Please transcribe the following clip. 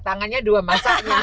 tangannya dua masaknya